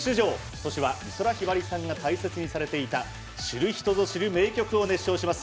今年は、美空ひばりさんが大切にされていた知る人ぞ知る名曲を熱唱します。